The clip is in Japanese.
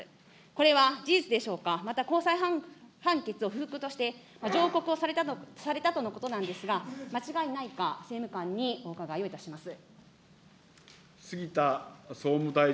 これは事実でしょうか、また高裁判決を不服として、上告をされたとのことなんですが、間違いないか、政務官にお伺いをいたします。